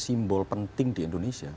simbol penting di indonesia